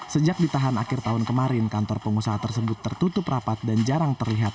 sejak ditahan akhir tahun kemarin kantor pengusaha tersebut tertutup rapat dan jarang terlihat